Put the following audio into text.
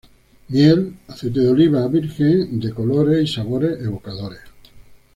Miel, aceite de oliva virgen de colores y sabores evocadores.